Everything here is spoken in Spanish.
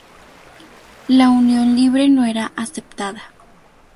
La unión libre no era aceptada.